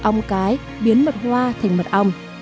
ong cái biến mật hoa thành mật ong